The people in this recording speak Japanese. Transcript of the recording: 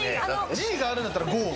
「Ｇ」があるんだったらゴウ。